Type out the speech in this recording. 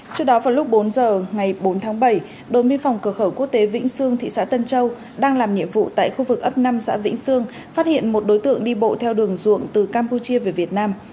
trước đó vào lúc bốn giờ ngày bốn tháng bảy đội biên phòng cửa khẩu quốc tế vĩnh sương thị xã tân châu đang làm nhiệm vụ tại khu vực ấp năm xã vĩnh sương phát hiện một đối tượng đi bộ theo đường ruộng từ campuchia về việt nam